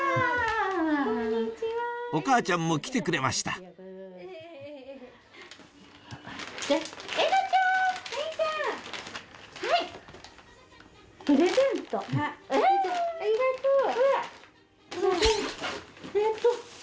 お母ちゃんも来てくれましたありがとう。